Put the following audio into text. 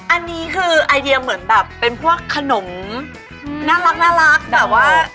อันนี้คือไอเดียเหมือนแบบเป็นพวกขนมน่ารักแบบว่า